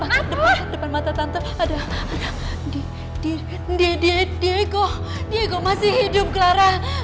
ada di depan mata tante ada diego diego masih hidup clara